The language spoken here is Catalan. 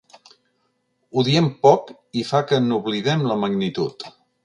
Ho diem poc i fa que n’oblidem la magnitud.